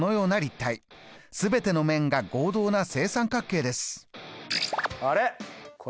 すべての面が合同な正三角形です。